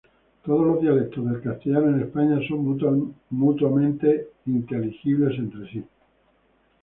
Todos los dialectos del castellano en España son mutuamente inteligibles entre sí.